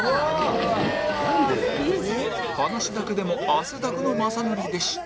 話だけでも汗だくの雅紀でした